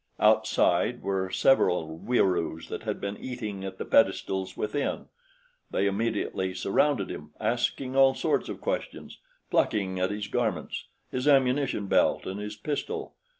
Outside were several Wieroos that had been eating at the pedestals within. They immediately surrounded him, asking all sorts of questions, plucking at his garments, his ammunition belt and his pistol.